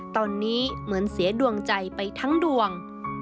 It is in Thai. ตอนนี้เหมือนเสียดวงใจไปทั้งดวง